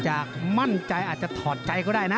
มั่นใจอาจจะถอดใจก็ได้นะ